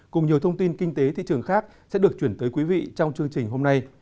cùng nhiều thông tin kinh tế thị trường khác sẽ được chuyển tới quý vị trong chương trình hôm nay